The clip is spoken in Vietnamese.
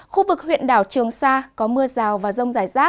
khu vực huyện đảo trường sa có mưa rào và rông rải rác